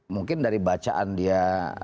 mungkin dari bacaan dia